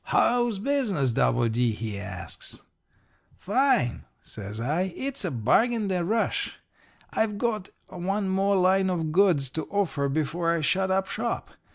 "'How's business, W. D.?' he asks. "'Fine,' says I. 'It's a bargain day rush. I've got one more line of goods to offer before I shut up shop.